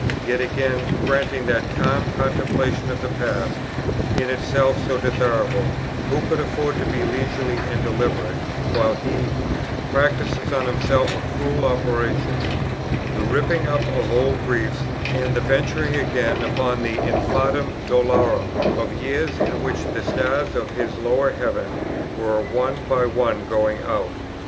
yet again, granting that calm contemplation of the past, in itself so desirable, who could afford to be leisurely and deliberate, while he practises on himself a cruel operation, the ripping up of old griefs, and the venturing again upon the "infandum dolorem" of years in which the stars of this lower heaven were one by one going out?